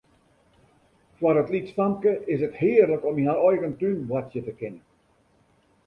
Foar it lytsfamke is it hearlik om yn har eigen tún boartsje te kinnen.